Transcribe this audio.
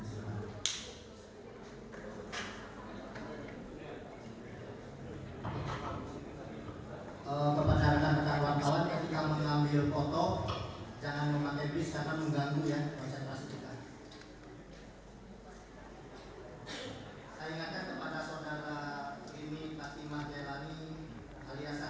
saudara saksi saudara pernah diperiksa di krim berapa kali